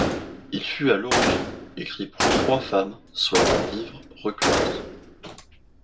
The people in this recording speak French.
Il fut à l'origine écrit pour trois femmes souhaitant vivre recluses.